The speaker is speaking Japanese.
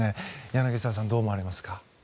柳澤さん、どう思われますか？